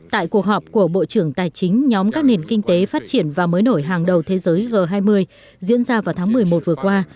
tại cuộc họp của bộ trưởng tài chính nhóm các nền kinh tế phát triển và mới nổi hàng đầu thế giới g hai mươi diễn ra vào tháng một mươi một vừa qua